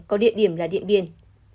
có địa điểm là điện biên